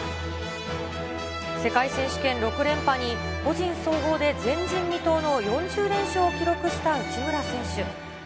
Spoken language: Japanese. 世界選手権６連覇に、個人総合で前人未到の４０連勝を記録した内村選手。